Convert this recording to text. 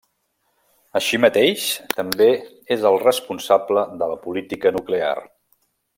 Així mateix també és el responsable de la política nuclear.